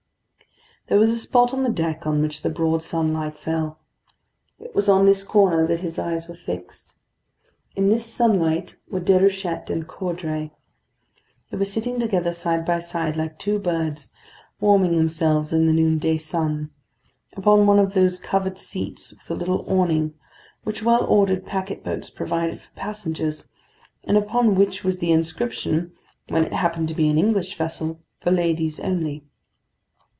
There was a spot on the deck on which the broad sunlight fell. It was on this corner that his eyes were fixed. In this sunlight were Déruchette and Caudray. They were sitting together side by side, like two birds, warming themselves in the noonday sun, upon one of those covered seats with a little awning which well ordered packet boats provided for passengers, and upon which was the inscription, when it happened to be an English vessel, "For ladies only."